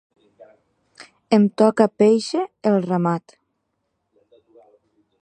Em toca péixer el ramat.